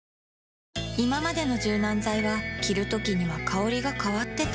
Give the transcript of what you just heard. いままでの柔軟剤は着るときには香りが変わってた